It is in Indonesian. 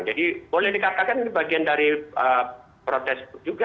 jadi boleh dikatakan ini bagian dari protes juga